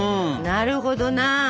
なるほどな。